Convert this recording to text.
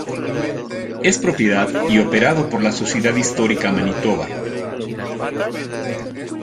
Es propiedad y operado por la Sociedad Histórica Manitoba.